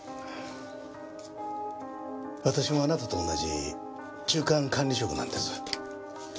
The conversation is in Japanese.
私もあなたと同じ中間管理職なんです。